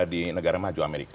di negara maju amerika